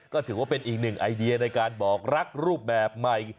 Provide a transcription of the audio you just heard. ก็ถือว่าเป็นอีกหนึ่งไอเดียในการบอกรักรูปแบบใหม่